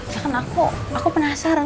jangan aku aku penasaran